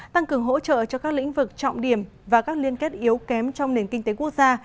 tăng cường hỗ trợ cho các lĩnh vực trọng điểm và các liên kết yếu kém trong nền kinh tế quốc gia